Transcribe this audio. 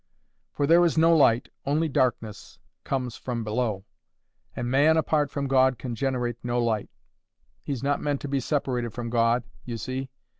For there is no light—only darkness—comes from below. And man apart from God can generate no light. He's not meant to be separated from God, you see.